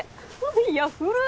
いや古っ！